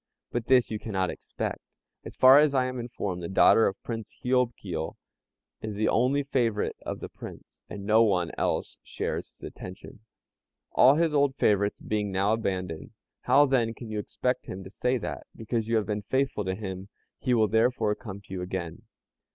but this you cannot expect. As far as I am informed the daughter of Prince Hiob Kio is the only favorite of the Prince, and no one else shares his attention, all his old favorites being now abandoned. How, then, can you expect him to say that, because you have been faithful to him, he will therefore come to you again?"